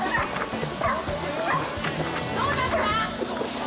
どうだった？